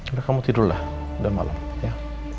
udah kamu tidurlah udah malam ya